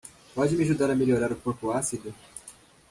Pode ajudar a melhorar o corpo ácido